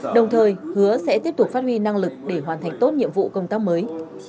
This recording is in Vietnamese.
đồng thời hứa sẽ tiếp tục phát huy năng lực để hoàn thành tốt nhiệm vụ công tác mới